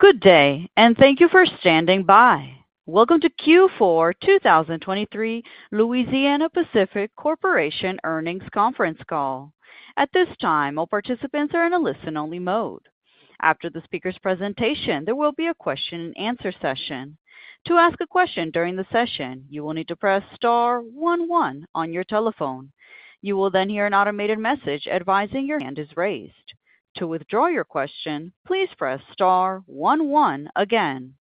Good day, and thank you for standing by. Welcome to Q4 2023 Louisiana-Pacific Corporation Earnings Conference call. At this time, all participants are in a listen-only mode. After the speaker's presentation, there will be a question-and-answer session. To ask a question during the session, you will need to press star 11 on your telephone. You will then hear an automated message advising your hand is raised. To withdraw your question, please press star 11 again.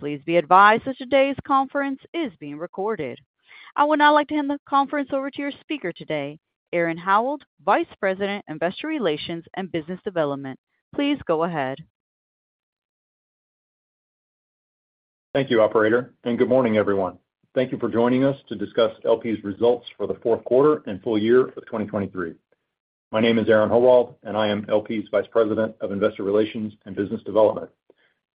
Please be advised that today's conference is being recorded. I would now like to hand the conference over to your speaker today, Aaron Howald, Vice President, Investor Relations and Business Development. Please go ahead. Thank you, operator, and good morning, everyone. Thank you for joining us to discuss LP's results for the fourth quarter and full year of 2023. My name is Aaron Howald, and I am LP's Vice President of Investor Relations and Business Development.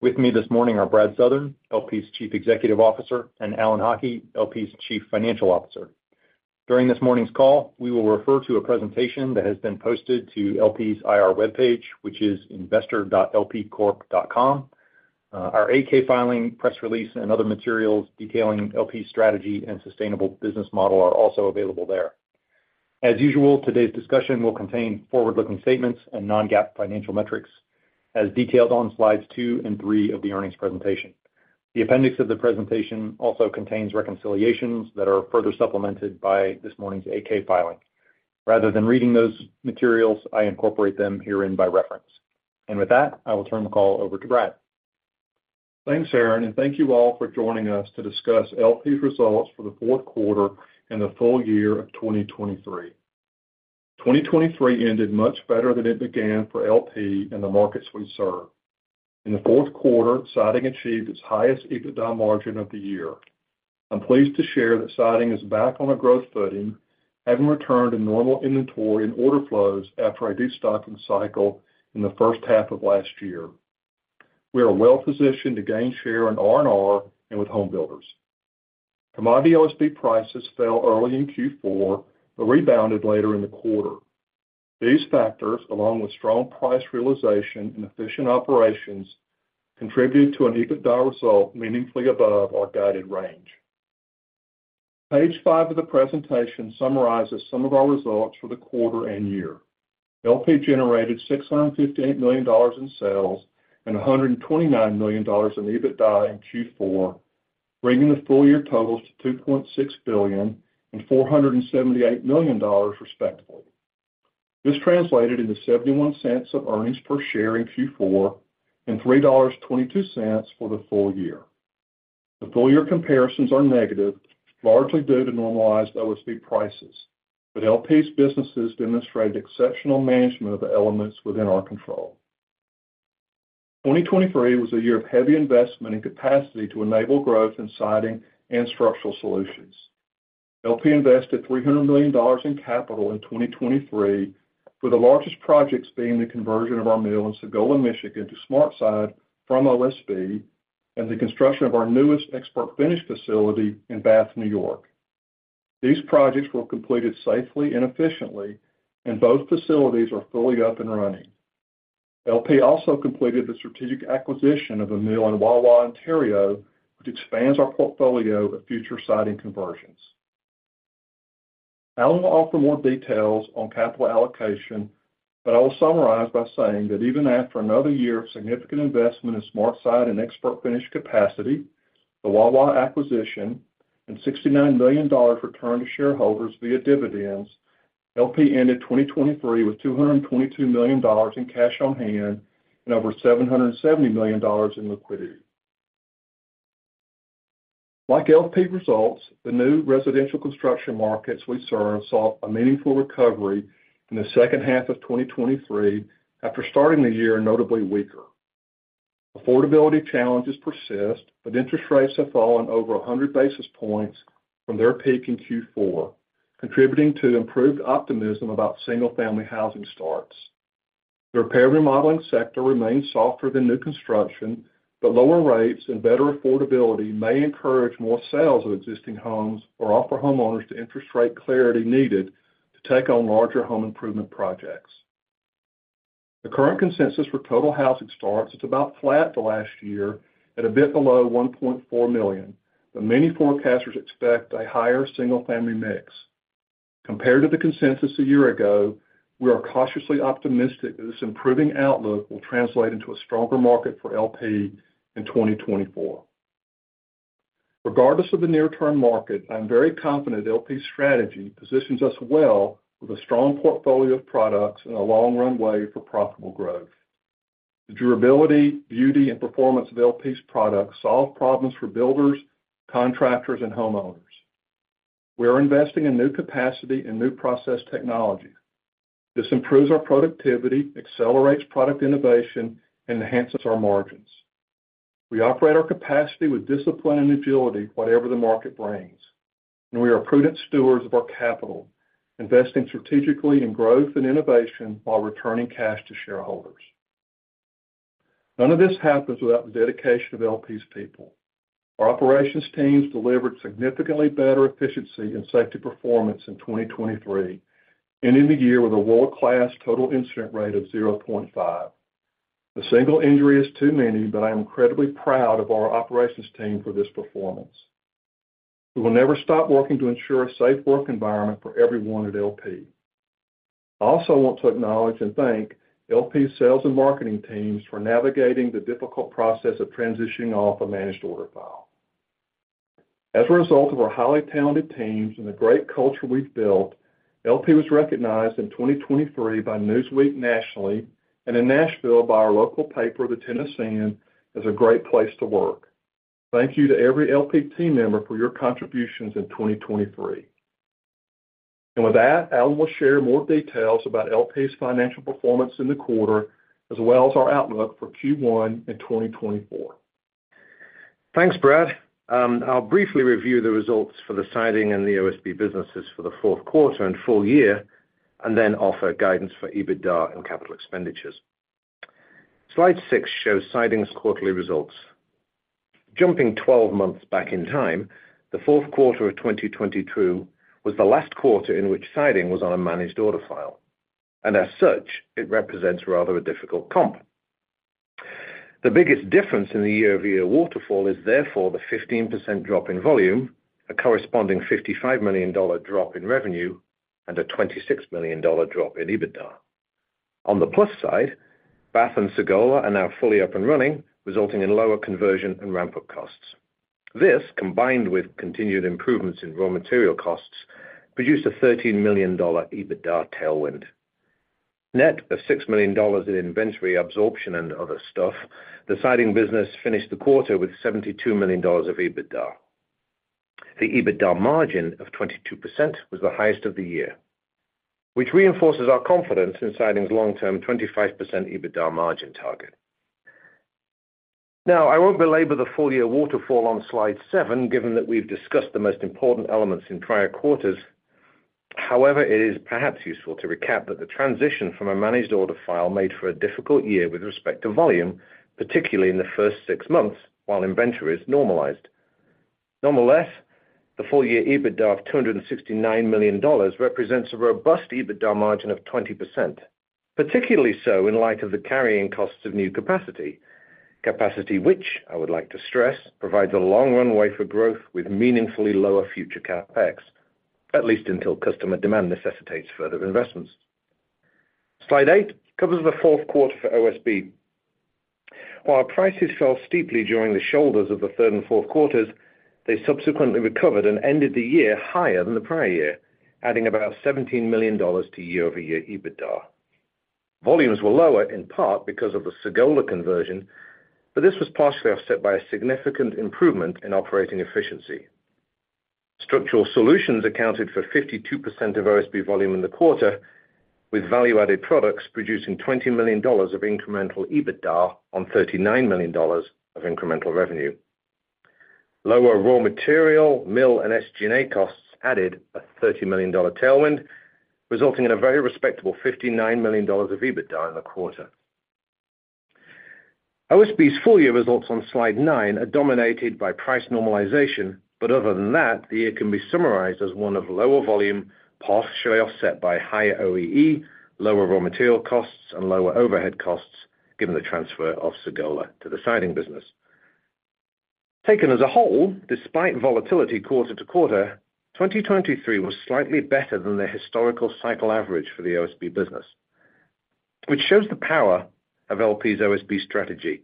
With me this morning are Brad Southern, LP's Chief Executive Officer, and Alan Haughie, LP's Chief Financial Officer. During this morning's call, we will refer to a presentation that has been posted to LP's IR webpage, which is investor.lpcorp.com. Our 8-K filing, press release, and other materials detailing LP's strategy and sustainable business model are also available there. As usual, today's discussion will contain forward-looking statements and non-GAAP financial metrics, as detailed on slides 2 and 3 of the earnings presentation. The appendix of the presentation also contains reconciliations that are further supplemented by this morning's 8-K filing. Rather than reading those materials, I incorporate them herein by reference. With that, I will turn the call over to Brad. Thanks, Aaron, and thank you all for joining us to discuss LP's results for the fourth quarter and the full year of 2023. 2023 ended much better than it began for LP and the markets we serve. In the fourth quarter, siding achieved its highest EBITDA margin of the year. I'm pleased to share that siding is back on a growth footing, having returned to normal inventory and order flows after a de-stocking cycle in the first half of last year. We are well positioned to gain share in R&R and with home builders. Commodity OSB prices fell early in Q4 but rebounded later in the quarter. These factors, along with strong price realization and efficient operations, contributed to an EBITDA result meaningfully above our guided range. Page 5 of the presentation summarizes some of our results for the quarter and year. LP generated $658 million in sales and $129 million in EBITDA in Q4, bringing the full year totals to $2.6 billion and $478 million, respectively. This translated into $0.71 of earnings per share in Q4 and $3.22 for the full year. The full year comparisons are negative, largely due to normalized OSB prices, but LP's businesses demonstrated exceptional management of the elements within our control. 2023 was a year of heavy investment in capacity to enable growth in Siding and Structural Solutions. LP invested $300 million in capital in 2023, with the largest projects being the conversion of our mill in Sagola, Michigan, to SmartSide from OSB and the construction of our newest ExpertFinish facility in Bath, New York. These projects were completed safely and efficiently, and both facilities are fully up and running. LP also completed the strategic acquisition of a mill in Wawa, Ontario, which expands our portfolio of future siding conversions. Alan will offer more details on capital allocation, but I will summarize by saying that even after another year of significant investment in SmartSide and ExpertFinish capacity, the Wawa acquisition, and $69 million returned to shareholders via dividends, LP ended 2023 with $222 million in cash on hand and over $770 million in liquidity. Like LP results, the new residential construction markets we serve saw a meaningful recovery in the second half of 2023 after starting the year notably weaker. Affordability challenges persist, but interest rates have fallen over 100 basis points from their peak in Q4, contributing to improved optimism about single-family housing starts. The repair and remodeling sector remains softer than new construction, but lower rates and better affordability may encourage more sales of existing homes or offer homeowners the interest rate clarity needed to take on larger home improvement projects. The current consensus for total housing starts is about flat to last year at a bit below 1.4 million, but many forecasters expect a higher single-family mix. Compared to the consensus a year ago, we are cautiously optimistic that this improving outlook will translate into a stronger market for LP in 2024. Regardless of the near-term market, I'm very confident LP's strategy positions us well with a strong portfolio of products and a long-run way for profitable growth. The durability, beauty, and performance of LP's products solve problems for builders, contractors, and homeowners. We are investing in new capacity and new process technologies. This improves our productivity, accelerates product innovation, and enhances our margins. We operate our capacity with discipline and agility, whatever the market brings, and we are prudent stewards of our capital, investing strategically in growth and innovation while returning cash to shareholders. None of this happens without the dedication of LP's people. Our operations teams delivered significantly better efficiency and safety performance in 2023, ending the year with a world-class total incident rate of 0.5. The single injury is too many, but I am incredibly proud of our operations team for this performance. We will never stop working to ensure a safe work environment for everyone at LP. I also want to acknowledge and thank LP's sales and marketing teams for navigating the difficult process of transitioning off a managed order file. As a result of our highly talented teams and the great culture we've built, LP was recognized in 2023 by Newsweek nationally and in Nashville by our local paper, The Tennessean, as a great place to work. Thank you to every LP team member for your contributions in 2023. With that, Alan will share more details about LP's financial performance in the quarter, as well as our outlook for Q1 and 2024. Thanks, Brad. I'll briefly review the results for the siding and the OSB businesses for the fourth quarter and full year, and then offer guidance for EBITDA and capital expenditures. Slide 6 shows siding's quarterly results. Jumping 12 months back in time, the fourth quarter of 2022 was the last quarter in which siding was on a managed order file, and as such, it represents rather a difficult comp. The biggest difference in the year-over-year waterfall is therefore the 15% drop in volume, a corresponding $55 million drop in revenue, and a $26 million drop in EBITDA. On the plus side, Bath and Sagola are now fully up and running, resulting in lower conversion and ramp-up costs. This, combined with continued improvements in raw material costs, produced a $13 million EBITDA tailwind. Net of $6 million in inventory absorption and other stuff, the siding business finished the quarter with $72 million of EBITDA. The EBITDA margin of 22% was the highest of the year, which reinforces our confidence in siding's long-term 25% EBITDA margin target. Now, I won't belabor the full year waterfall on slide 7, given that we've discussed the most important elements in prior quarters. However, it is perhaps useful to recap that the transition from a Managed Order File made for a difficult year with respect to volume, particularly in the first six months while inventory is normalized. Nonetheless, the full year EBITDA of $269 million represents a robust EBITDA margin of 20%, particularly so in light of the carrying costs of new capacity, capacity which, I would like to stress, provides a long-run way for growth with meaningfully lower future Capex, at least until customer demand necessitates further investments. Slide 8 covers the fourth quarter for OSB. While prices fell steeply during the shoulders of the third and fourth quarters, they subsequently recovered and ended the year higher than the prior year, adding about $17 million to year-over-year EBITDA. Volumes were lower in part because of the Sagola conversion, but this was partially offset by a significant improvement in operating efficiency. Structural Solutions accounted for 52% of OSB volume in the quarter, with value-added products producing $20 million of incremental EBITDA on $39 million of incremental revenue. Lower raw material, mill, and SG&A costs added a $30 million tailwind, resulting in a very respectable $59 million of EBITDA in the quarter. OSB's full year results on slide 9 are dominated by price normalization, but other than that, the year can be summarized as one of lower volume, partially offset by higher OEE, lower raw material costs, and lower overhead costs given the transfer of Sagola to the siding business. Taken as a whole, despite volatility quarter to quarter, 2023 was slightly better than the historical cycle average for the OSB business, which shows the power of LP's OSB strategy: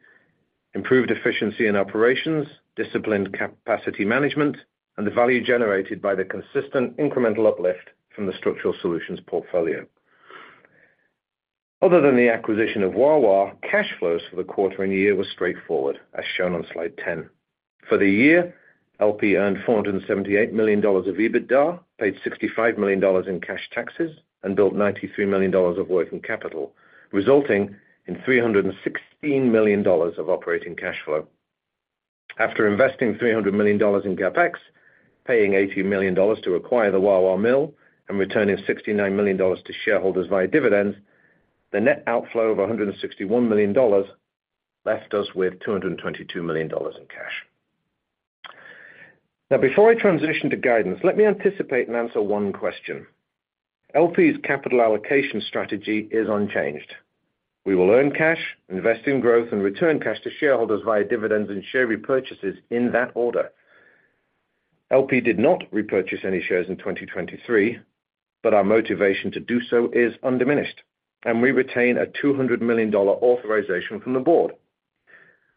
improved efficiency in operations, disciplined capacity management, and the value generated by the consistent incremental uplift from the structural solutions portfolio. Other than the acquisition of Wawa, cash flows for the quarter and year were straightforward, as shown on slide 10. For the year, LP earned $478 million of EBITDA, paid $65 million in cash taxes, and built $93 million of working capital, resulting in $316 million of operating cash flow. After investing $300 million in Capex, paying $80 million to acquire the Wawa mill, and returning $69 million to shareholders via dividends, the net outflow of $161 million left us with $222 million in cash. Now, before I transition to guidance, let me anticipate and answer one question. LP's capital allocation strategy is unchanged. We will earn cash, invest in growth, and return cash to shareholders via dividends and share repurchases in that order. LP did not repurchase any shares in 2023, but our motivation to do so is undiminished, and we retain a $200 million authorization from the board.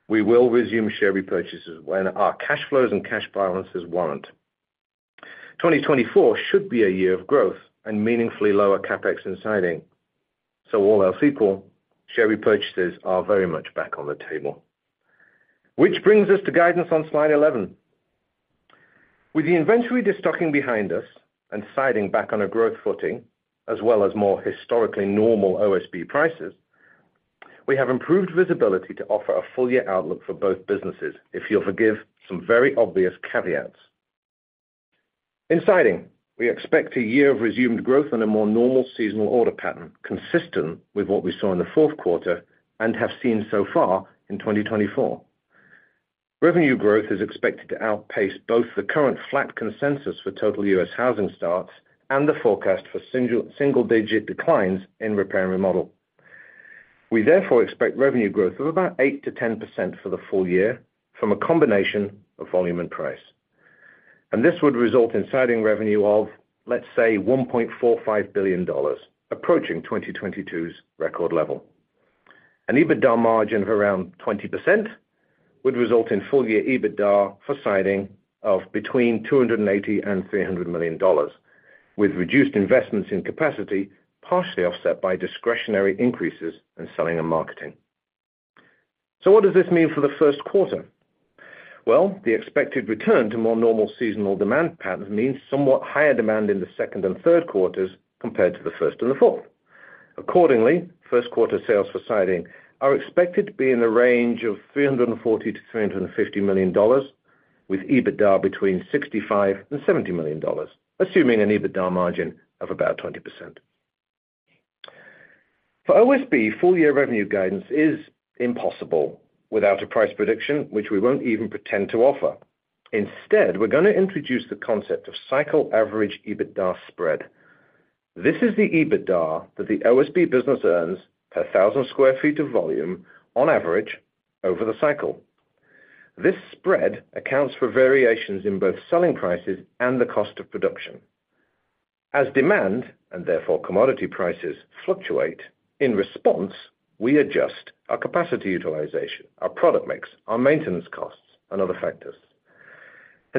We will resume share repurchases when our cash flows and cash balances warrant. 2024 should be a year of growth and meaningfully lower Capex in siding. So all else equal, share repurchases are very much back on the table. Which brings us to guidance on slide 11. With the inventory de-stocking behind us and siding back on a growth footing, as well as more historically normal OSB prices, we have improved visibility to offer a full year outlook for both businesses, if you'll forgive some very obvious caveats. In siding, we expect a year of resumed growth and a more normal seasonal order pattern consistent with what we saw in the fourth quarter and have seen so far in 2024. Revenue growth is expected to outpace both the current flat consensus for total U.S. housing starts and the forecast for single-digit declines in repair and remodel. We therefore expect revenue growth of about 8%-10% for the full year from a combination of volume and price. This would result in siding revenue of, let's say, $1.45 billion, approaching 2022's record level. An EBITDA margin of around 20% would result in full year EBITDA for siding of between $280 million-$300 million, with reduced investments in capacity partially offset by discretionary increases in selling and marketing. What does this mean for the first quarter? Well, the expected return to more normal seasonal demand patterns means somewhat higher demand in the second and third quarters compared to the first and the fourth. Accordingly, first quarter sales for siding are expected to be in the range of $340 million-$350 million, with EBITDA between $65 million-$70 million, assuming an EBITDA margin of about 20%. For OSB, full year revenue guidance is impossible without a price prediction, which we won't even pretend to offer. Instead, we're going to introduce the concept of cycle average EBITDA spread. This is the EBITDA that the OSB business earns per 1,000 square feet of volume, on average, over the cycle. This spread accounts for variations in both selling prices and the cost of production. As demand and therefore commodity prices fluctuate, in response, we adjust our capacity utilization, our product mix, our maintenance costs, and other factors.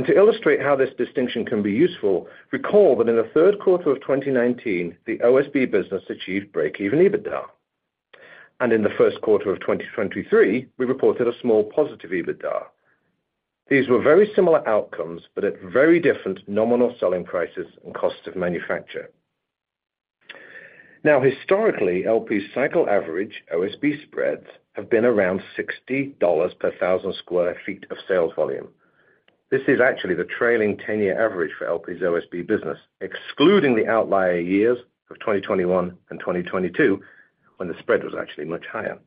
To illustrate how this distinction can be useful, recall that in the third quarter of 2019, the OSB business achieved break-even EBITDA. In the first quarter of 2023, we reported a small positive EBITDA. These were very similar outcomes, but at very different nominal selling prices and costs of manufacture. Now, historically, LP's cycle average OSB spreads have been around $60 per 1,000 sq ft of sales volume. This is actually the trailing 10-year average for LP's OSB business, excluding the outlier years of 2021 and 2022, when the spread was actually much higher.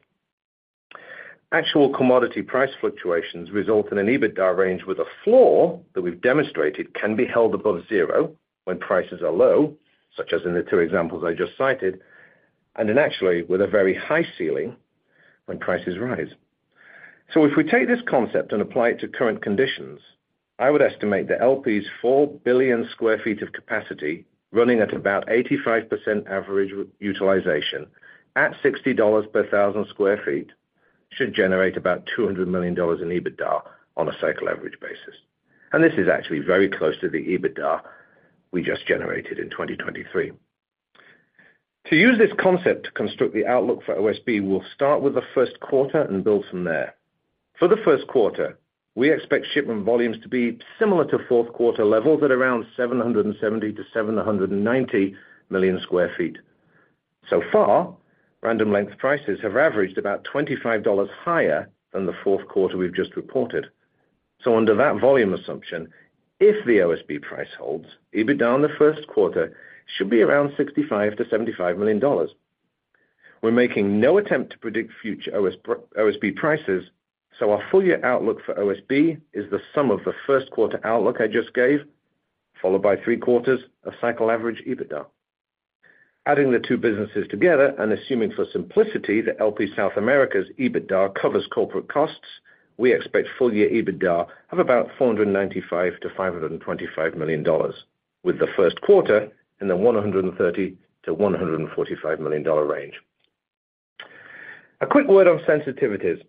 Actual commodity price fluctuations result in an EBITDA range with a floor that we've demonstrated can be held above zero when prices are low, such as in the two examples I just cited, and actually with a very high ceiling when prices rise. So if we take this concept and apply it to current conditions, I would estimate that LP's 4 billion sq ft of capacity running at about 85% average utilization at $60 per 1,000 sq ft should generate about $200 million in EBITDA on a cycle average basis. And this is actually very close to the EBITDA we just generated in 2023. To use this concept to construct the outlook for OSB, we'll start with the first quarter and build from there. For the first quarter, we expect shipment volumes to be similar to fourth quarter levels at around 770 million-790 million sq ft. So far, random-length prices have averaged about $25 higher than the fourth quarter we've just reported. So under that volume assumption, if the OSB price holds, EBITDA in the first quarter should be around $65-$75 million. We're making no attempt to predict future OSB prices, so our full year outlook for OSB is the sum of the first quarter outlook I just gave, followed by three quarters of cycle average EBITDA. Adding the two businesses together and assuming for simplicity that LP South America's EBITDA covers corporate costs, we expect full year EBITDA of about $495 million-$525 million, with the first quarter in the $130 million-$145 million range. A quick word on sensitivities.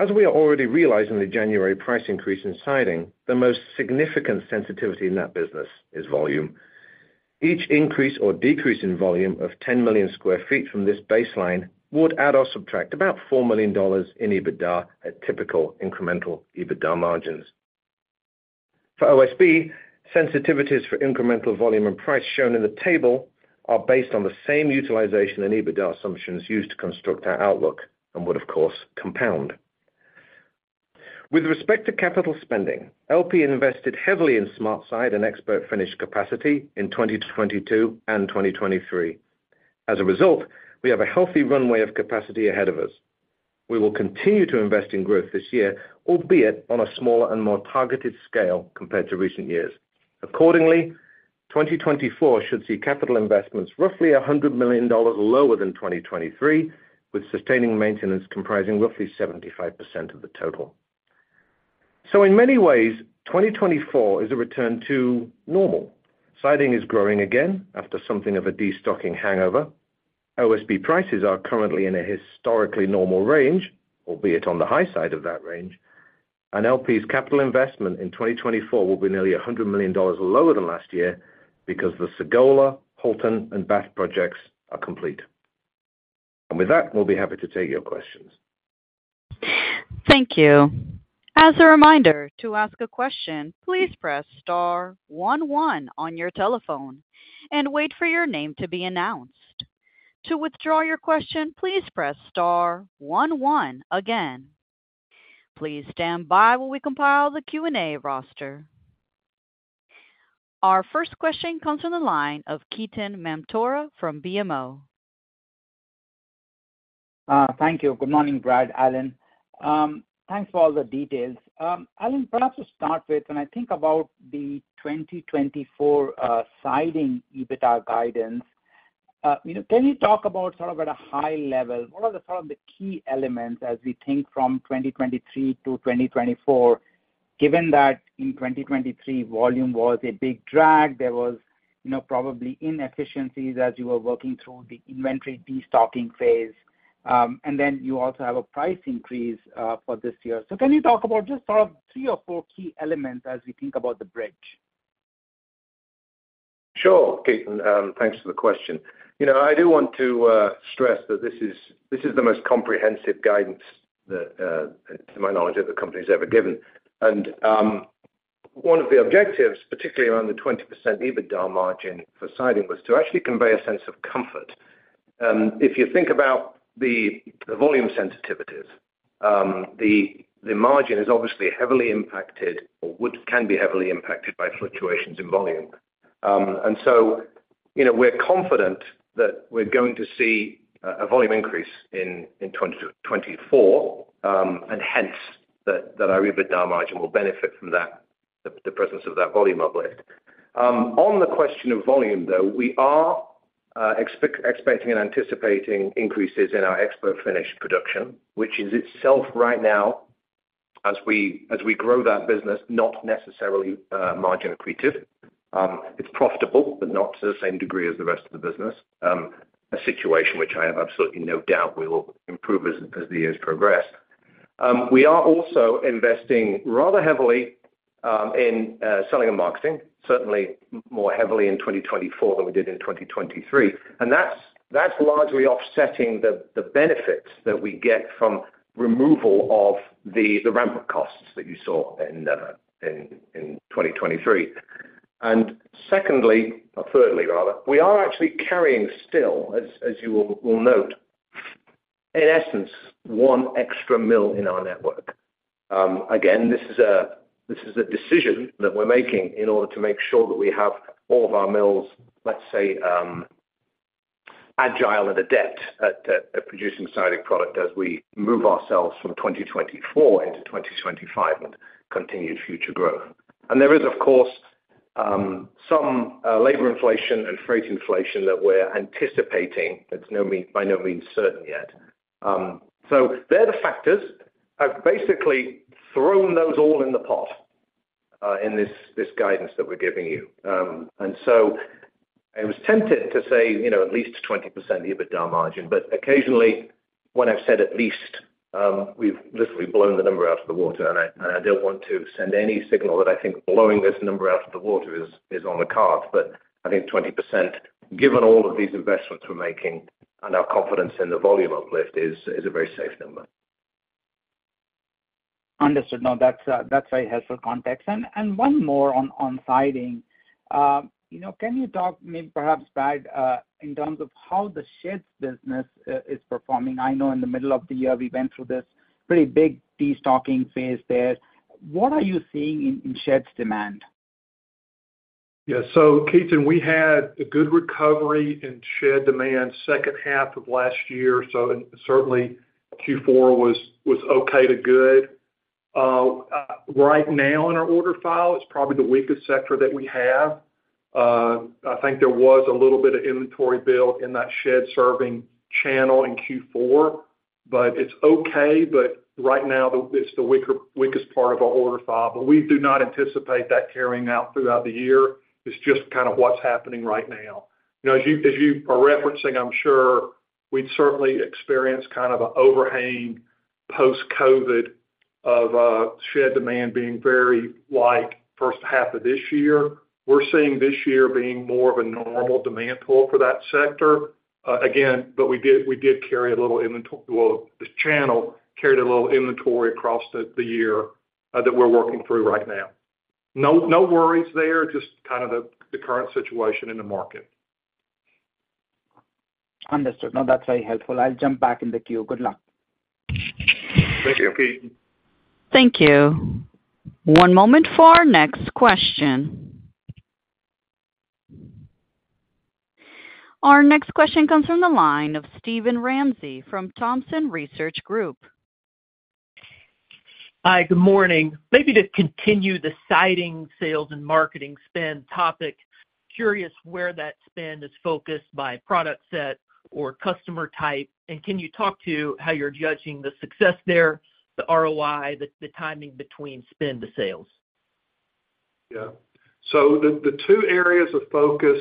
As we are already realizing the January price increase in siding, the most significant sensitivity in that business is volume. Each increase or decrease in volume of 10 million sq ft from this baseline would add or subtract about $4 million in EBITDA at typical incremental EBITDA margins. For OSB, sensitivities for incremental volume and price shown in the table are based on the same utilization and EBITDA assumptions used to construct our outlook and would, of course, compound. With respect to capital spending, LP invested heavily in SmartSide and ExpertFinish capacity in 2022 and 2023. As a result, we have a healthy runway of capacity ahead of us. We will continue to invest in growth this year, albeit on a smaller and more targeted scale compared to recent years. Accordingly, 2024 should see capital investments roughly $100 million lower than 2023, with sustaining maintenance comprising roughly 75% of the total. So in many ways, 2024 is a return to normal. Siding is growing again after something of a de-stocking hangover. OSB prices are currently in a historically normal range, albeit on the high side of that range. And LP's capital investment in 2024 will be nearly $100 million lower than last year because the Sagola, Houlton, and Bath projects are complete. And with that, we'll be happy to take your questions. Thank you. As a reminder, to ask a question, please press star 11 on your telephone and wait for your name to be announced. To withdraw your question, please press star 11 again. Please stand by while we compile the Q&A roster. Our first question comes from the line of Ketan Mamtora from BMO. Thank you. Good morning, Brad, Alan. Thanks for all the details. Alan, perhaps to start with, when I think about the 2024 siding EBITDA guidance, can you talk about sort of at a high level, what are sort of the key elements as we think from 2023 to 2024, given that in 2023, volume was a big drag, there was probably inefficiencies as you were working through the inventory de-stocking phase, and then you also have a price increase for this year. So can you talk about just sort of three or four key elements as we think about the bridge? Sure, Keaton. Thanks for the question. I do want to stress that this is the most comprehensive guidance, to my knowledge, that the company's ever given. One of the objectives, particularly around the 20% EBITDA margin for siding, was to actually convey a sense of comfort. If you think about the volume sensitivities, the margin is obviously heavily impacted or can be heavily impacted by fluctuations in volume. So we're confident that we're going to see a volume increase in 2024, and hence that our EBITDA margin will benefit from the presence of that volume uplift. On the question of volume, though, we are expecting and anticipating increases in our ExpertFinish production, which is itself right now, as we grow that business, not necessarily margin equative. It's profitable, but not to the same degree as the rest of the business, a situation which I have absolutely no doubt will improve as the years progress. We are also investing rather heavily in selling and marketing, certainly more heavily in 2024 than we did in 2023. That's largely offsetting the benefits that we get from removal of the ramp-up costs that you saw in 2023. Secondly or thirdly, rather, we are actually carrying still, as you will note, in essence, one extra mill in our network. Again, this is a decision that we're making in order to make sure that we have all of our mills, let's say, agile and adept at producing siding product as we move ourselves from 2024 into 2025 and continued future growth. There is, of course, some labor inflation and freight inflation that we're anticipating that's by no means certain yet. They're the factors. I've basically thrown those all in the pot in this guidance that we're giving you. And so I was tempted to say at least 20% EBITDA margin. But occasionally, when I've said at least, we've literally blown the number out of the water. And I don't want to send any signal that I think blowing this number out of the water is on the cards. But I think 20%, given all of these investments we're making and our confidence in the volume uplift, is a very safe number. Understood. No, that's very helpful context. And one more on siding. Can you talk maybe perhaps, Brad, in terms of how the sheds business is performing? I know in the middle of the year, we went through this pretty big de-stocking phase there. What are you seeing in sheds demand? Yeah. So Keaton, we had a good recovery in shed demand second half of last year. So certainly, Q4 was okay to good. Right now in our order file, it's probably the weakest sector that we have. I think there was a little bit of inventory build in that shed serving channel in Q4, but it's okay. But right now, it's the weakest part of our order file. But we do not anticipate that carrying out throughout the year. It's just kind of what's happening right now. As you are referencing, I'm sure we'd certainly experience kind of an overhang post-COVID of shed demand being very like first half of this year. We're seeing this year being more of a normal demand pull for that sector, again, but we did carry a little well, the channel carried a little inventory across the year that we're working through right now. No worries there, just kind of the current situation in the market. Understood. No, that's very helpful. I'll jump back in the queue. Good luck. Thank you, Keaton. Thank you. One moment for our next question. Our next question comes from the line of Steven Ramsey from Thompson Research Group. Hi. Good morning. Maybe to continue the siding sales and marketing spend topic, curious where that spend is focused by product set or customer type. And can you talk to how you're judging the success there, the ROI, the timing between spend to sales? Yeah. So the two areas of focus,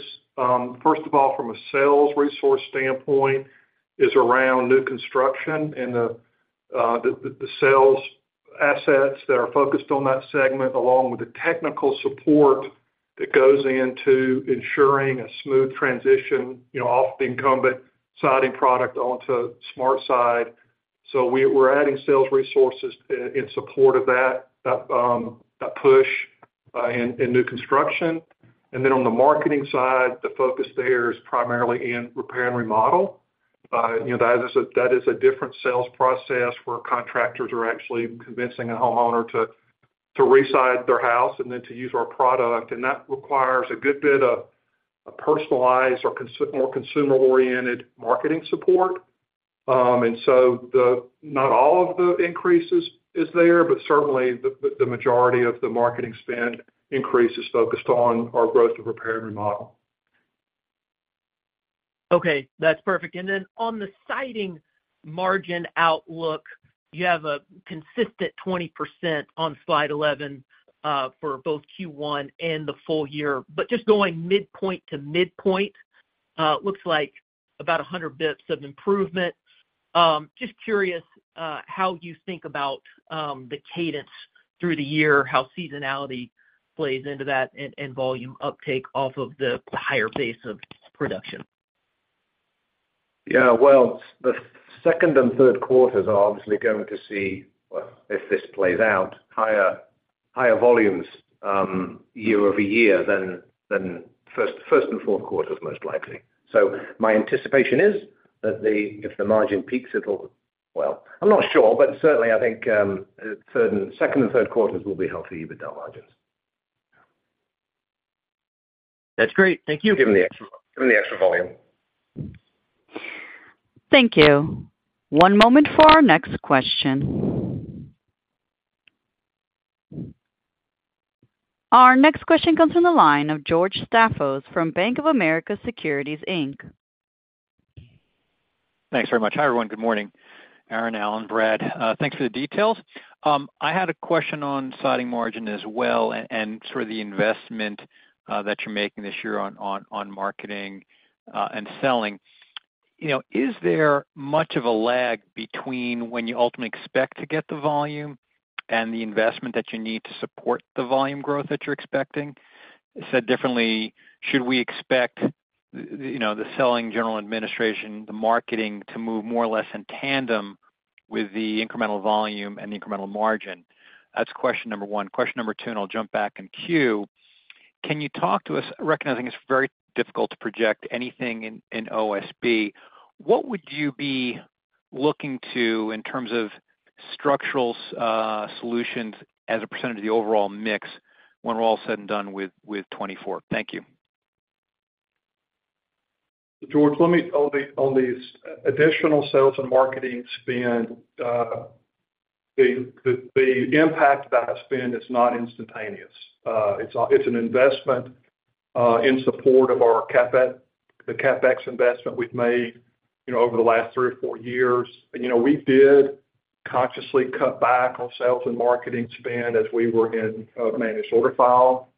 first of all, from a sales resource standpoint, is around new construction and the sales assets that are focused on that segment, along with the technical support that goes into ensuring a smooth transition off the incumbent siding product onto SmartSide. So we're adding sales resources in support of that push in new construction. And then on the marketing side, the focus there is primarily in repair and remodel. That is a different sales process where contractors are actually convincing a homeowner to reside their house and then to use our product. And that requires a good bit of personalized or more consumer-oriented marketing support. And so not all of the increases is there, but certainly, the majority of the marketing spend increase is focused on our growth of repair and remodel. Okay. That's perfect. And then on the siding margin outlook, you have a consistent 20% on slide 11 for both Q1 and the full year. But just going midpoint to midpoint, looks like about 100 basis points of improvement. Just curious how you think about the cadence through the year, how seasonality plays into that and volume uptake off of the higher base of production. Yeah. Well, the second and third quarters are obviously going to see, if this plays out, higher volumes year-over-year than first and fourth quarters, most likely. So my anticipation is that if the margin peaks, it'll—well, I'm not sure, but certainly, I think second and third quarters will be healthy EBITDA margins. That's great. Thank you. Given the extra volume. Thank you. One moment for our next question. Our next question comes from the line of George Staphos from Bank of America Securities, Inc. Thanks very much. Hi everyone. Good morning, Aaron, Alan, Brad. Thanks for the details. I had a question on siding margin as well and sort of the investment that you're making this year on marketing and selling. Is there much of a lag between when you ultimately expect to get the volume and the investment that you need to support the volume growth that you're expecting? Said differently, should we expect the selling general administration, the marketing to move more or less in tandem with the incremental volume and the incremental margin? That's question number 1. Question number 2, and I'll jump back in queue. Can you talk to us recognizing it's very difficult to project anything in OSB, what would you be looking to in terms of structural solutions as a percentage of the overall mix when we're all said and done with 2024? Thank you. George, on these additional sales and marketing spend, the impact of that spend is not instantaneous. It's an investment in support of the CapEx investment we've made over the last 3 or 4 years. We did consciously cut back on sales and marketing spend as we were in managed order file.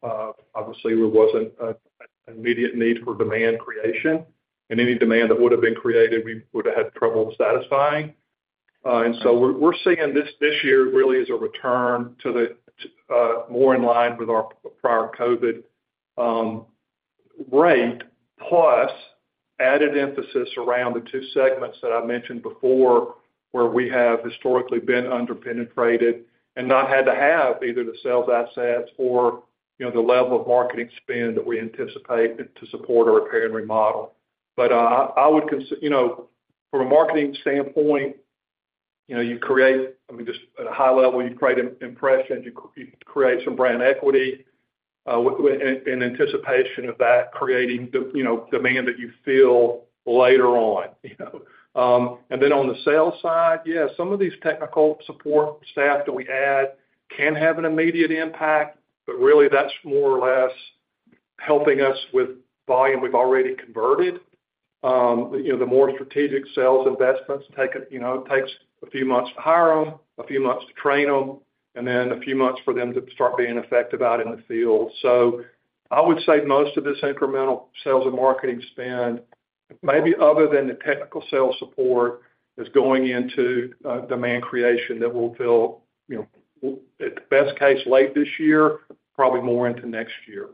Obviously, there wasn't an immediate need for demand creation. And any demand that would have been created, we would have had trouble satisfying. And so we're seeing this year really as a return more in line with our prior COVID rate plus added emphasis around the two segments that I mentioned before where we have historically been under-penetrated and not had to have either the sales assets or the level of marketing spend that we anticipate to support our repair and remodel. But I would from a marketing standpoint, you create I mean, just at a high level, you create impressions. You create some brand equity in anticipation of that creating demand that you feel later on. And then on the sales side, yeah, some of these technical support staff that we add can have an immediate impact, but really, that's more or less helping us with volume we've already converted. The more strategic sales investments, it takes a few months to hire them, a few months to train them, and then a few months for them to start being effective out in the field. So I would say most of this incremental sales and marketing spend, maybe other than the technical sales support, is going into demand creation that will fill, at best case, late this year, probably more into next year.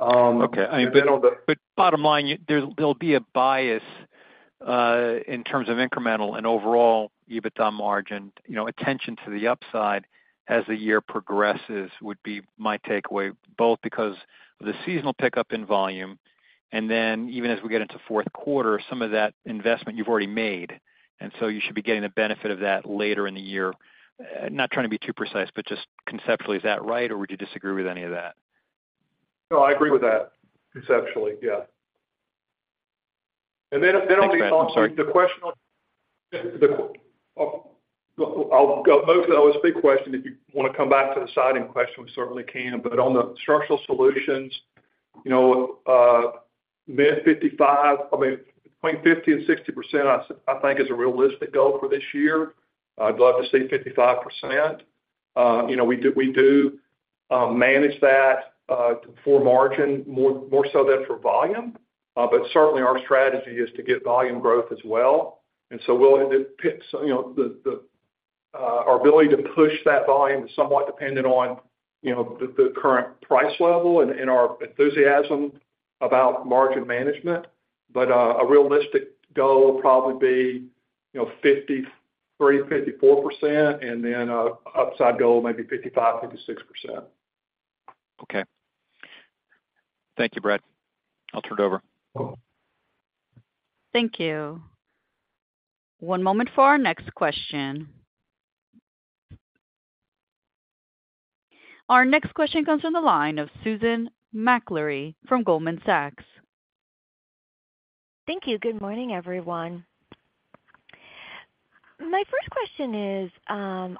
Okay. I mean, but bottom line, there'll be a bias in terms of incremental and overall EBITDA margin. Attention to the upside as the year progresses would be my takeaway, both because of the seasonal pickup in volume and then even as we get into fourth quarter, some of that investment you've already made. And so you should be getting the benefit of that later in the year. Not trying to be too precise, but just conceptually, is that right, or would you disagree with any of that? No, I agree with that conceptually. Yeah. And then I'll just follow up with the question of. I'll go mostly OSB question. If you want to come back to the siding question, we certainly can. But on the structural solutions, mid-55, I mean, between 50% and 60%, I think, is a realistic goal for this year. I'd love to see 55%. We do manage that for margin, more so than for volume. But certainly, our strategy is to get volume growth as well. And so our ability to push that volume is somewhat dependent on the current price level and our enthusiasm about margin management. But a realistic goal will probably be 53%-54%, and then an upside goal, maybe 55%-56%. Okay. Thank you, Brad. I'll turn it over. Thank you. One moment for our next question. Our next question comes from the line of Susan Maklari from Goldman Sachs. Thank you. Good morning, everyone. My first question is on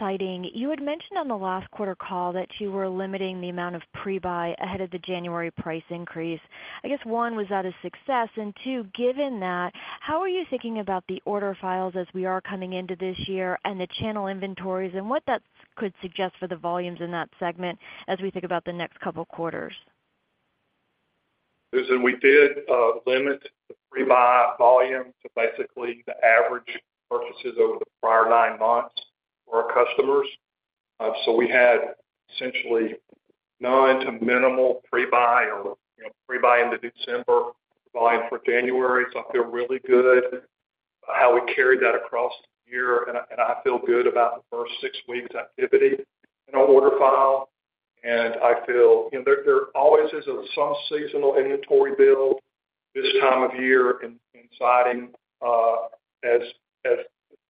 siding. You had mentioned on the last quarter call that you were limiting the amount of pre-buy ahead of the January price increase. I guess, one, was that a success? Two, given that, how are you thinking about the order files as we are coming into this year and the channel inventories and what that could suggest for the volumes in that segment as we think about the next couple of quarters? Listen, we did limit the pre-buy volume to basically the average purchases over the prior nine months for our customers. So we had essentially none to minimal pre-buy or pre-buy into December volume for January. So I feel really good how we carried that across the year. And I feel good about the first six weeks' activity in our order file. And I feel there always is some seasonal inventory build this time of year in siding as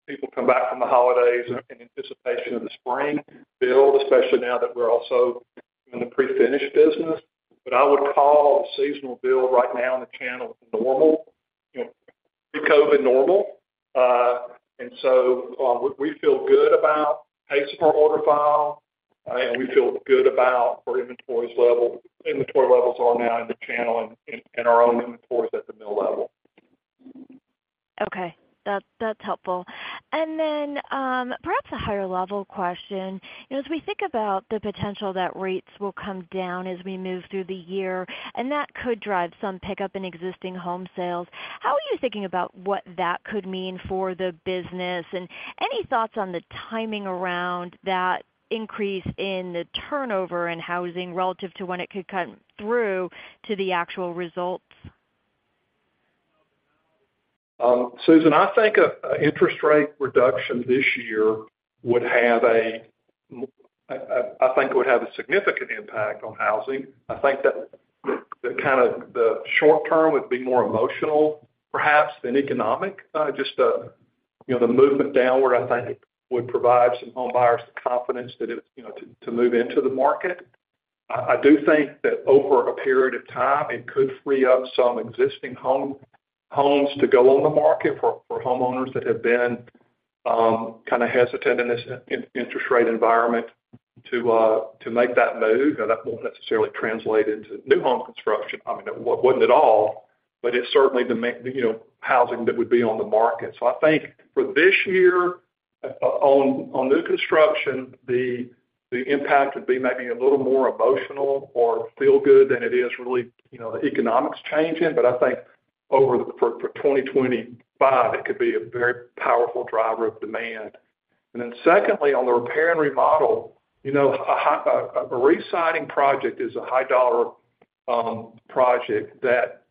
people come back from the holidays in anticipation of the spring build, especially now that we're also doing the pre-finished business. But I would call the seasonal build right now in the channel normal, pre-COVID normal. And so we feel good about the pace of our order file, and we feel good about where inventory levels are now in the channel and our own inventories at the mill level. Okay. That's helpful. And then perhaps a higher-level question. As we think about the potential that rates will come down as we move through the year, and that could drive some pickup in existing home sales, how are you thinking about what that could mean for the business? And any thoughts on the timing around that increase in the turnover in housing relative to when it could come through to the actual results? Susan, I think an interest rate reduction this year would have a I think it would have a significant impact on housing. I think that kind of the short term would be more emotional, perhaps, than economic. Just the movement downward, I think, would provide some home buyers the confidence to move into the market. I do think that over a period of time, it could free up some existing homes to go on the market for homeowners that have been kind of hesitant in this interest rate environment to make that move. That won't necessarily translate into new home construction. I mean, it wouldn't at all, but it's certainly housing that would be on the market. So I think for this year, on new construction, the impact would be maybe a little more emotional or feel good than it is really the economics changing. But I think for 2025, it could be a very powerful driver of demand. And then secondly, on the repair and remodel, a re-siding project is a high-dollar project that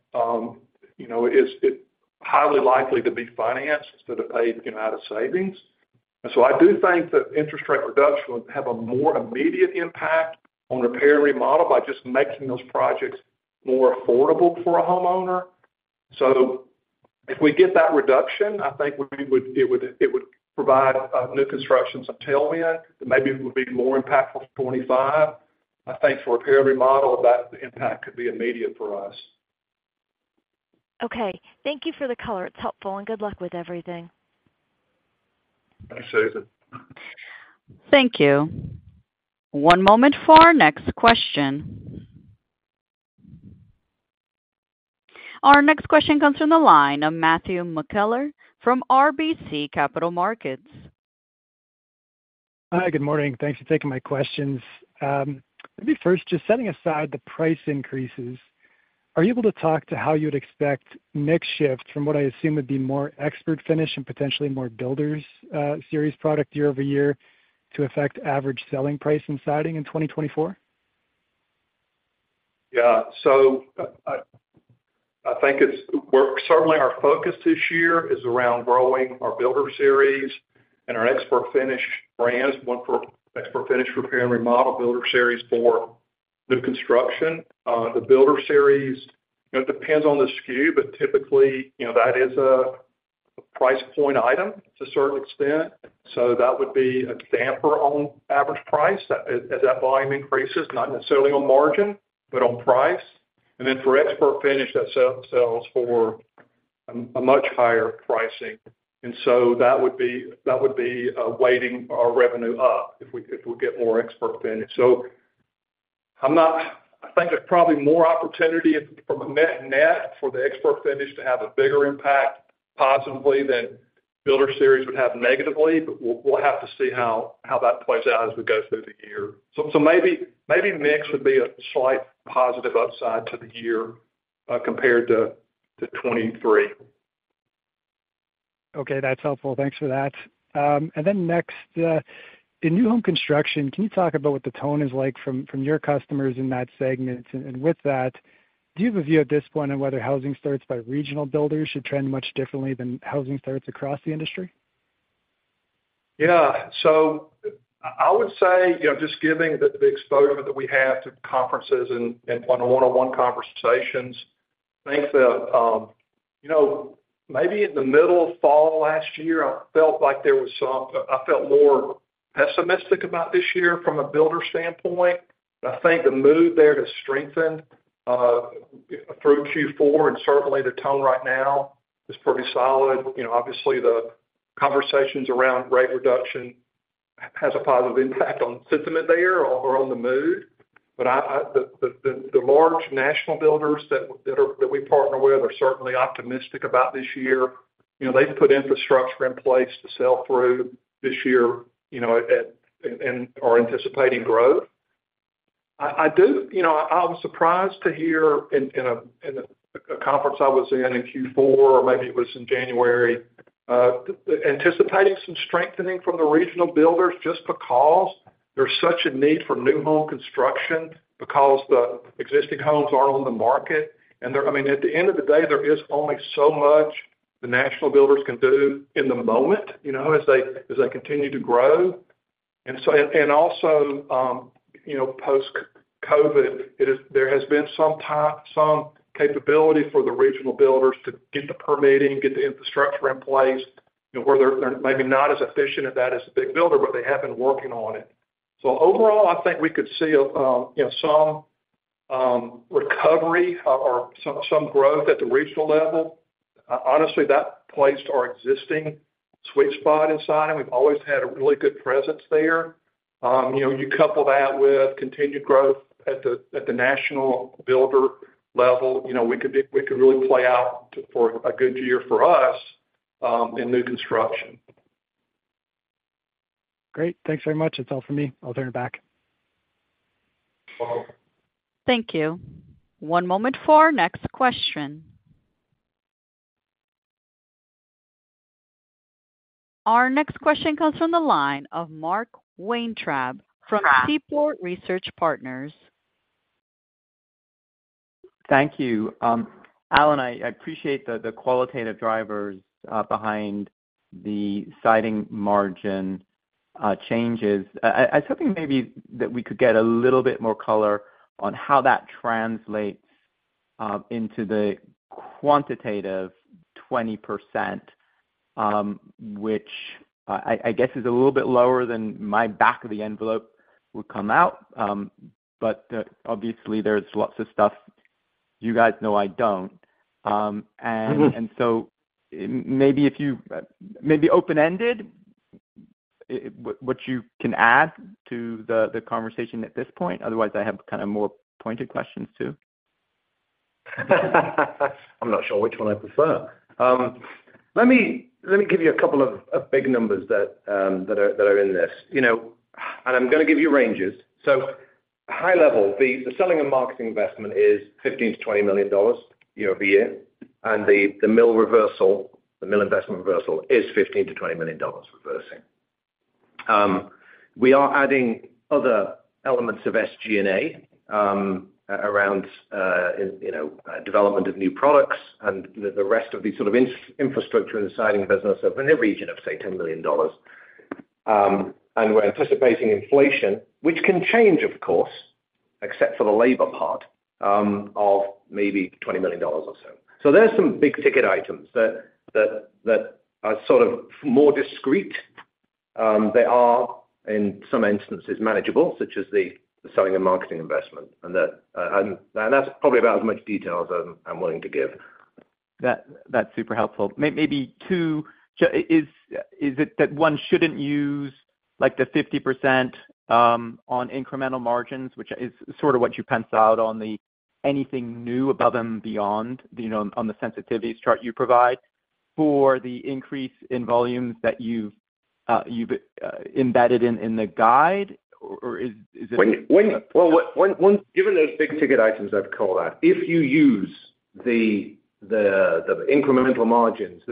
it's highly likely to be financed instead of paid out of savings. And so I do think that interest rate reduction would have a more immediate impact on repair and remodel by just making those projects more affordable for a homeowner. So if we get that reduction, I think it would provide new construction some tailwind that maybe would be more impactful for 2025. I think for repair and remodel, that impact could be immediate for us. Okay. Thank you for the color. It's helpful. And good luck with everything. Thank you, Susan. Thank you. One moment for our next question. Our next question comes from the line of Matthew McKellar from RBC Capital Markets. Hi. Good morning. Thanks for taking my questions. Maybe first, just setting aside the price increases, are you able to talk to how you would expect next shifts from what I assume would be more ExpertFinish and potentially more BuilderSeries product year-over-year to affect average selling price in siding in 2024? Yeah. So I think certainly, our focus this year is around growing our BuilderSeries and our ExpertFinish brands, one for ExpertFinish repair and remodel, BuilderSeries for new construction. The BuilderSeries, it depends on the SKU, but typically, that is a price point item to a certain extent. So that would be a damper on average price as that volume increases, not necessarily on margin, but on price. And then for ExpertFinish, that sells for a much higher pricing. And so that would be weighting our revenue up if we get more ExpertFinish. So I think there's probably more opportunity from a net for the ExpertFinish to have a bigger impact positively than BuilderSeries would have negatively. But we'll have to see how that plays out as we go through the year. So maybe mix would be a slight positive upside to the year compared to 2023. Okay. That's helpful. Thanks for that. And then next, in new home construction, can you talk about what the tone is like from your customers in that segment? And with that, do you have a view at this point on whether housing starts by regional builders should trend much differently than housing starts across the industry? Yeah. So I would say just given the exposure that we have to conferences and one-on-one conversations, I think that maybe in the middle of fall last year, I felt more pessimistic about this year from a builder standpoint. But I think the mood there has strengthened through Q4. And certainly, the tone right now is pretty solid. Obviously, the conversations around rate reduction has a positive impact on sentiment there or on the mood. But the large national builders that we partner with are certainly optimistic about this year. They've put infrastructure in place to sell through this year and are anticipating growth. I was surprised to hear, in a conference I was in in Q4, or maybe it was in January, anticipating some strengthening from the regional builders just because there's such a need for new home construction, because the existing homes aren't on the market. I mean, at the end of the day, there is only so much the national builders can do in the moment as they continue to grow. Also, post-COVID, there has been some capability for the regional builders to get the permitting, get the infrastructure in place where they're maybe not as efficient at that as the big builder, but they have been working on it. So overall, I think we could see some recovery or some growth at the regional level. Honestly, that placed our existing sweet spot in siding. We've always had a really good presence there. You couple that with continued growth at the national builder level, we could really play out for a good year for us in new construction. Great. Thanks very much. That's all from me. I'll turn it back. Welcome. Thank you. One moment for our next question. Our next question comes from the line of Mark Weintraub from Seaport Research Partners. Thank you. Alan, I appreciate the qualitative drivers behind the siding margin changes. I was hoping maybe that we could get a little bit more color on how that translates into the quantitative 20%, which I guess is a little bit lower than my back of the envelope would come out. But obviously, there's lots of stuff you guys know I don't. And so maybe if you maybe open-ended what you can add to the conversation at this point. Otherwise, I have kind of more pointed questions too. I'm not sure which one I prefer. Let me give you a couple of big numbers that are in this. I'm going to give you ranges. So high level, the selling and marketing investment is $15 million-$20 million year-over-year. And the mill reversal, the mill investment reversal, is $15 million-$20 million reversing. We are adding other elements of SG&A around development of new products and the rest of the sort of infrastructure in the siding business in the region of, say, $10 million. And we're anticipating inflation, which can change, of course, except for the labor part of maybe $20 million or so. So there's some big-ticket items that are sort of more discreet. They are, in some instances, manageable, such as the selling and marketing investment. And that's probably about as much detail as I'm willing to give. That's super helpful. Maybe too, is it that one shouldn't use the 50% on incremental margins, which is sort of what you pencil out on the anything new above and beyond on the sensitivities chart you provide, for the increase in volumes that you've embedded in the guide? Or is it? Well, given those big-ticket items I've called out, if you use the incremental margins,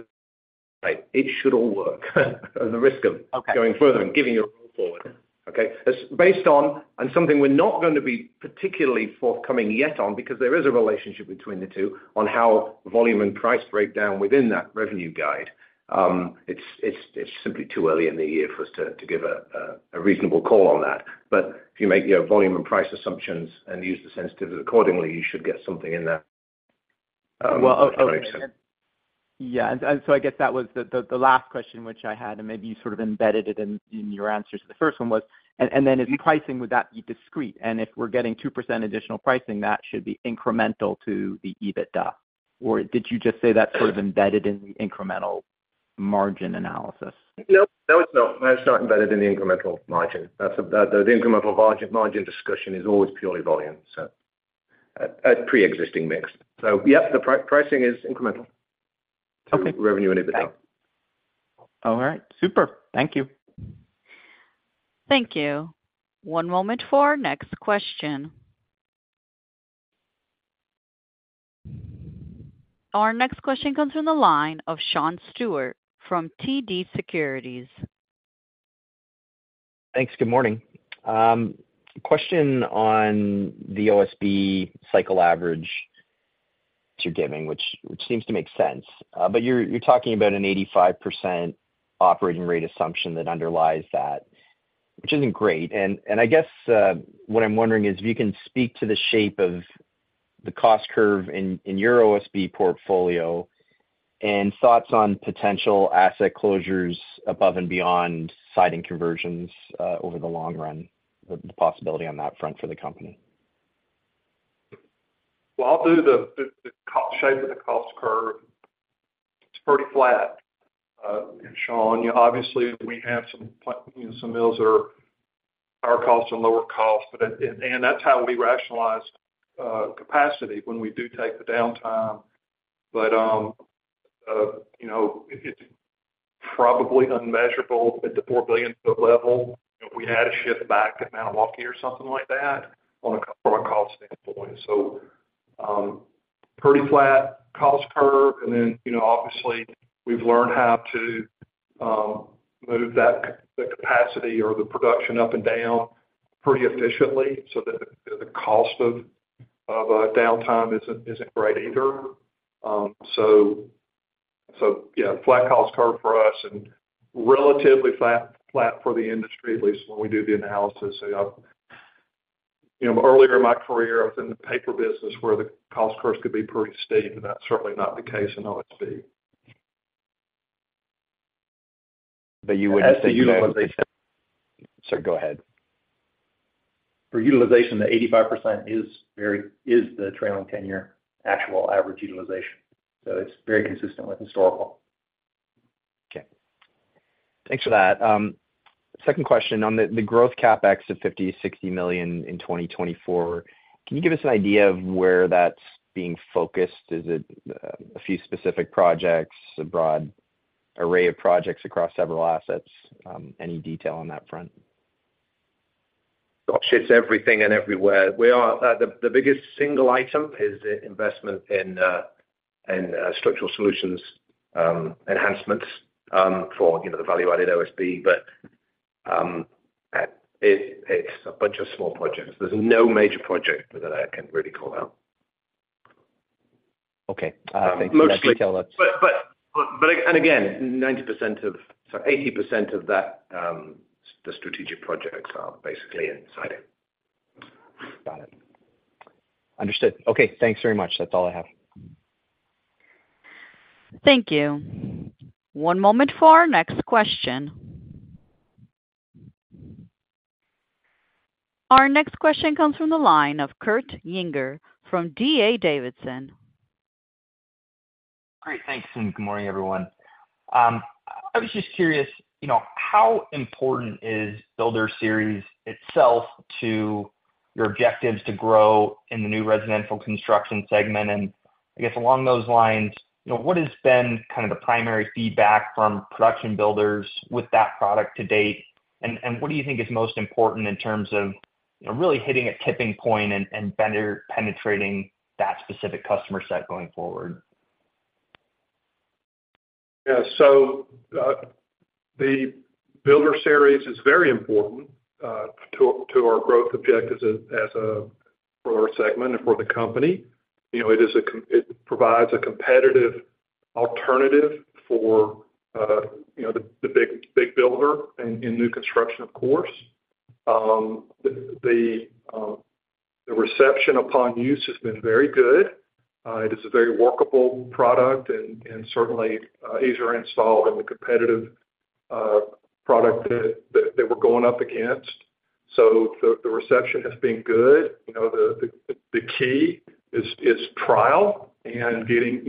it should all work at the risk of going further and giving your roll forward, okay? And something we're not going to be particularly forthcoming yet on because there is a relationship between the two on how volume and price break down within that revenue guide. It's simply too early in the year for us to give a reasonable call on that. But if you make volume and price assumptions and use the sensitivities accordingly, you should get something in that. Well, yeah. And so I guess that was the last question which I had, and maybe you sort of embedded it in your answer to the first one. Was and then is pricing, would that be discrete? And if we're getting 2% additional pricing, that should be incremental to the EBITDA. Or did you just say that's sort of embedded in the incremental margin analysis? Nope. No, it's not. That's not embedded in the incremental margin. The incremental margin discussion is always purely volume, so a pre-existing mix. So yep, the pricing is incremental to revenue and EBITDA. Okay. All right. Super. Thank you. Thank you. One moment for our next question. Our next question comes from the line of Sean Steuart from TD Securities. Thanks. Good morning. Question on the OSB cycle average that you're giving, which seems to make sense. But you're talking about an 85% operating rate assumption that underlies that, which isn't great. And I guess what I'm wondering is if you can speak to the shape of the cost curve in your OSB portfolio and thoughts on potential asset closures above and beyond siding conversions over the long run, the possibility on that front for the company. Well, I'll do the shape of the cost curve. It's pretty flat. Sean, obviously, we have some mills that are higher cost and lower cost. And that's how we rationalize capacity when we do take the downtime. But it's probably unmeasurable at the 4 billion foot level if we had a shift back at Maniwaki or something like that from a cost standpoint. So pretty flat cost curve. And then obviously, we've learned how to move the capacity or the production up and down pretty efficiently so that the cost of downtime isn't great either. So yeah, flat cost curve for us and relatively flat for the industry, at least when we do the analysis. Earlier in my career, I was in the paper business where the cost curves could be pretty steep. And that's certainly not the case in OSB. But you wouldn't say that. Sorry. Go ahead. For utilization, the 85% is the trailing 10-year actual average utilization. So it's very consistent with historical. Okay. Thanks for that. Second question on the growth Capex of $50 million-$60 million in 2024, can you give us an idea of where that's being focused? Is it a few specific projects, a broad array of projects across several assets? Any detail on that front? It's everything and everywhere. The biggest single item is investment in Structural Solutions enhancements for the value-added OSB. But it's a bunch of small projects. There's no major project that I can really call out. Okay. Thanks for that detail. But again, 90% of sorry, 80% of the strategic projects are basically in siding. Got it. Understood. Okay. Thanks very much. That's all I have. Thank you. One moment for our next question. Our next question comes from the line of Kurt Yinger from D.A. Davidson. Great. Thanks. And good morning, everyone. I was just curious, how important is BuilderSeries itself to your objectives to grow in the new residential construction segment? And I guess along those lines, what has been kind of the primary feedback from production builders with that product to date? And what do you think is most important in terms of really hitting a tipping point and better penetrating that specific customer set going forward? Yeah. So the Builder Series is very important to our growth objectives for our segment and for the company. It provides a competitive alternative for the big builder in new construction, of course. The reception upon use has been very good. It is a very workable product and certainly easier installed than the competitive product that we're going up against. So the reception has been good. The key is trial and getting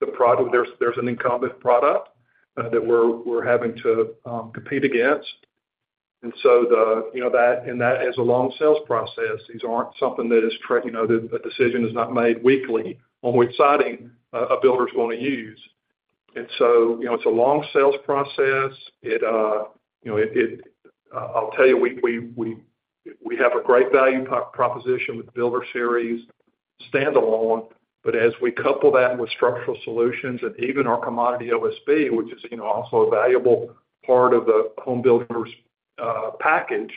the product. There's an incumbent product that we're having to compete against. And so that and that is a long sales process. These aren't something that is a decision is not made weekly on which siding a builder's going to use. And so it's a long sales process. I'll tell you, we have a great value proposition with BuilderSeries, standalone. But as we couple that with Structural Solutions and even our commodity OSB, which is also a valuable part of the home builder's package,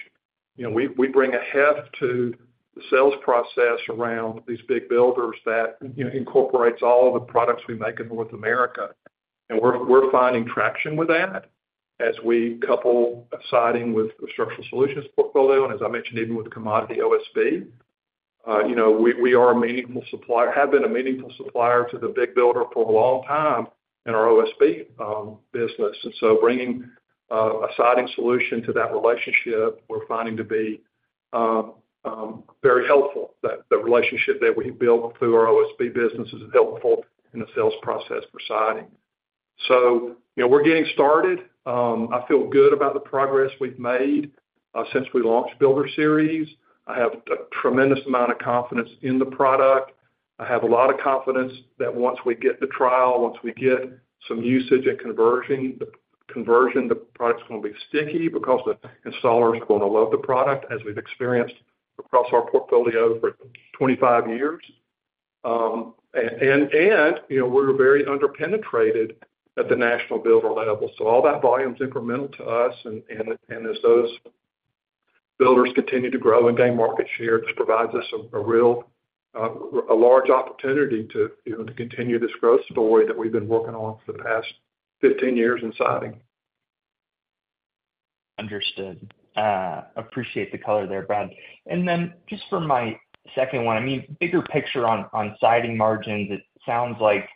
we bring a heft to the sales process around these big builders that incorporates all of the products we make in North America. And we're finding traction with that as we couple Siding with the Structural Solutions portfolio. And as I mentioned, even with commodity OSB, we are a meaningful supplier have been a meaningful supplier to the big builder for a long time in our OSB business. And so bringing a Siding solution to that relationship, we're finding to be very helpful. The relationship that we've built through our OSB business is helpful in the sales process for Siding. So we're getting started. I feel good about the progress we've made since we launched BuilderSeries. I have a tremendous amount of confidence in the product. I have a lot of confidence that once we get the trial, once we get some usage and conversion, the product's going to be sticky because the installers are going to love the product, as we've experienced across our portfolio for 25 years. We're very under-penetrated at the national builder level. So all that volume's incremental to us. And as those builders continue to grow and gain market share, this provides us a large opportunity to continue this growth story that we've been working on for the past 15 years in siding. Understood. Appreciate the color there, Brad. And then just for my second one, I mean, bigger picture on siding margins, it sounds like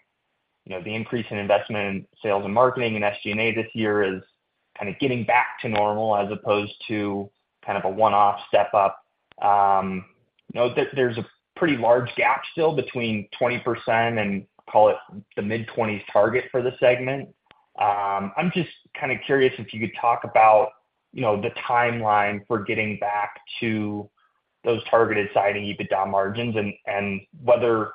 the increase in investment in sales and marketing and SG&A this year is kind of getting back to normal as opposed to kind of a one-off step-up. There's a pretty large gap still between 20% and call it the mid-20s target for the segment. I'm just kind of curious if you could talk about the timeline for getting back to those targeted siding EBITDA margins and whether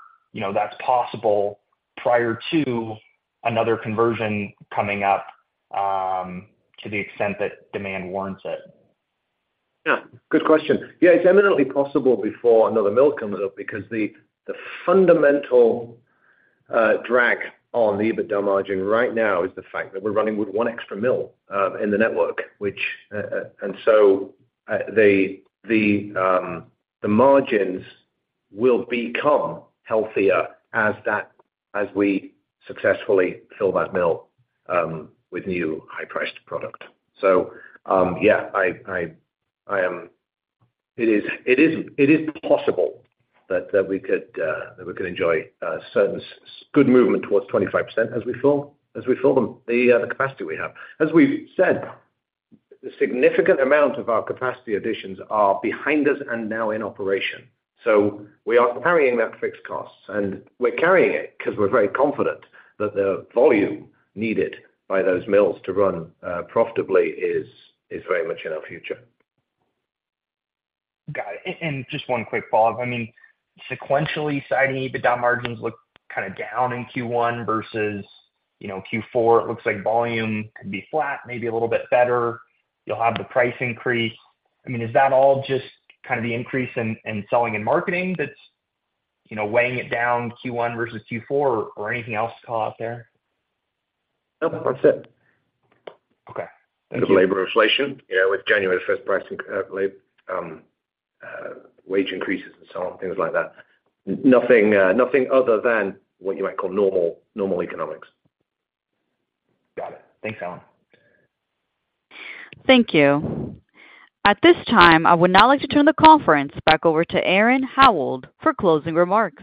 that's possible prior to another conversion coming up to the extent that demand warrants it. Yeah. Good question. Yeah. It's eminently possible before another mill comes up because the fundamental drag on the EBITDA margin right now is the fact that we're running with one extra mill in the network. And so the margins will become healthier as we successfully fill that mill with new high-priced product. So yeah, it is possible that we could enjoy good movement towards 25% as we fill them, the capacity we have. As we've said, the significant amount of our capacity additions are behind us and now in operation. So we are carrying that fixed costs. And we're carrying it because we're very confident that the volume needed by those mills to run profitably is very much in our future. Got it. And just one quick follow-up. I mean, sequentially, siding EBITDA margins look kind of down in Q1 versus Q4. It looks like volume could be flat, maybe a little bit better. You'll have the price increase. I mean, is that all just kind of the increase in selling and marketing that's weighing it down Q1 versus Q4, or anything else to call out there? Nope. That's it. Okay. Thank you. And the labor inflation with January 1st wage increases and so on, things like that. Nothing other than what you might call normal economics. Got it. Thanks, Alan. Thank you. At this time, I would now like to turn the conference back over to Aaron Howald for closing remarks.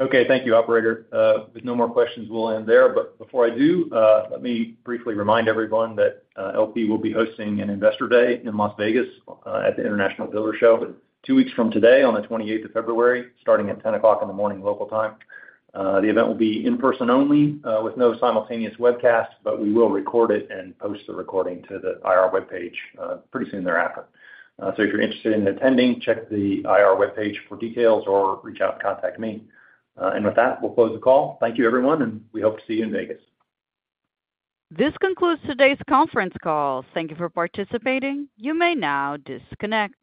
Okay. Thank you, operator. With no more questions, we'll end there. But before I do, let me briefly remind everyone that LP will be hosting an Investor Day in Las Vegas at the International Builders' Show two weeks from today on the 28th of February, starting at 10:00 A.M. local time. The event will be in-person only with no simultaneous webcast, but we will record it and post the recording to the IR webpage pretty soon thereafter. So if you're interested in attending, check the IR webpage for details or reach out and contact me. And with that, we'll close the call. Thank you, everyone. And we hope to see you in Vegas. This concludes today's conference call. Thank you for participating. You may now disconnect.